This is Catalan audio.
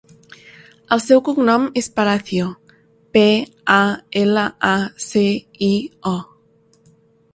El seu cognom és Palacio: pe, a, ela, a, ce, i, o.